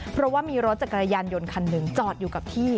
เพราะว่ามีรถจักรยานยนต์คันหนึ่งจอดอยู่กับที่